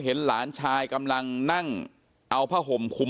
เป็นมีดปลายแหลมยาวประมาณ๑ฟุตนะฮะที่ใช้ก่อเหตุ